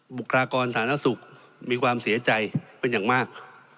บุคลากรสาธารณสุขมีความเสียใจเป็นอย่างมาก